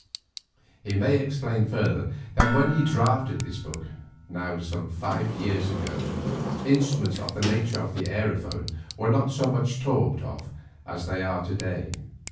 He may explain further that when he drafted this book, now some five years ago, instruments of the nature of the "aerophone" were not so much talked of as they are to day.